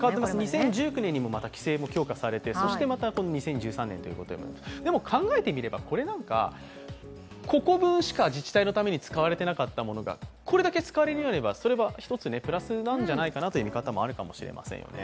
２０１９年にも規制も強化されて、そしてまた２０２３年ということで考えてみればこれなんか、ここ分しか自治体のために使われてなかったものがこれだけ使われるようになれば、それは１つプラスになるんじゃないかなという見方もありますよね